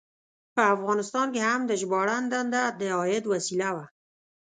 په افغانستان کې هم د ژباړن دنده د عاید وسیله وه.